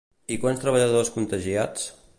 I quants treballadors contagiats?